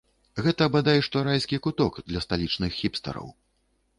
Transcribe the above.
Гэта, бадай што, райскі куток для сталічных хіпстараў.